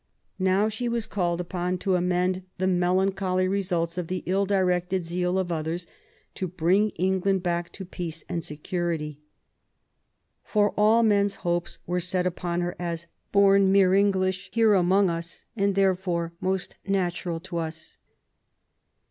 Now she was called upon to amend the melancholy results of the ill directed zeal of others, to bring back England to peace and security. For all men's hopes were set upon her as '* born mere English, here among us, and therefore most natural to us